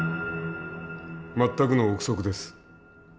全くの臆測です。